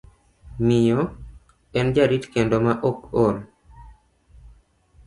Miyo, en jarit kendo maok ol.